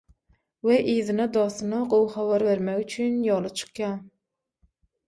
we yzyna dostuna gowy habar bermek üçin ýola çykýar.